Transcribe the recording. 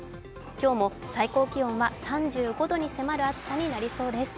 今日も最高気温は３５度に迫る暑さになりそうです。